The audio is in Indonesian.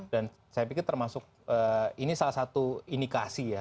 dan saya pikir termasuk ini salah satu indikasi ya